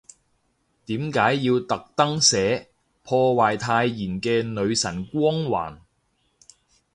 點解要特登寫，破壞太妍嘅女神光環